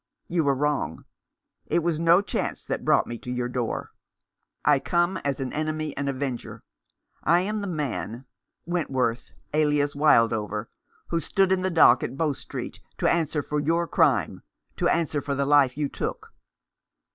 You were wrong. It was no chance that brought me to your door. I come as an enemy and avenger. I am the man — Wentworth, alias Wildover — who stood in the dock at Bow Street to answer for your crime — to answer for the life you took."